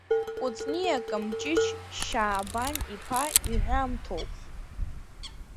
Кәыҵниа Камҷыҷ Шьаабан-иԥа иҳәамҭоуп.